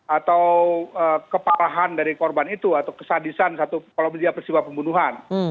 atau keparahan dari korban itu atau kesadisan satu kalau dia persiwa pembunuhan